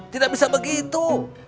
tidak bisa begitu